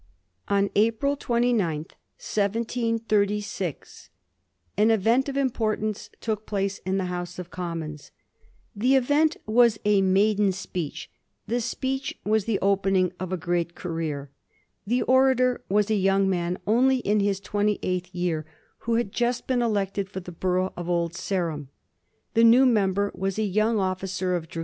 On April 29, 1736, an event of importance took place in the House of Commons; the event was a maiden speech, the speech was the opening of a great career. The orator was a young man, only in* his twenty eighth year, who had just been elected for the borough of Old Sarum. The new member was a young officer of dra 1786. WILLIAM PITT.